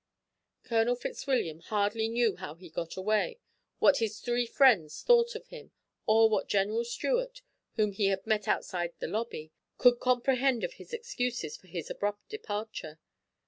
Colonel Fitzwilliam hardly knew how he got away, what his three friends thought of him, or what General Stuart, whom he had met outside the lobby, could comprehend of his excuses for his abrupt departure.